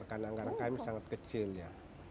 karena anggaran kami sangat kecil ya